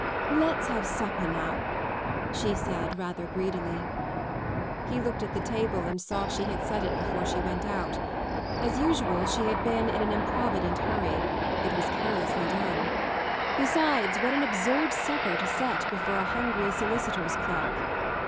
" Let's have supper now! " she said rather greedily. He looked at the table and saw she had set it before she went out. As usual she had Been in an improvident hurry : it was carelessly done. Besides, whaft an 98 absurd supper to set before a hungry solicitor's clerk!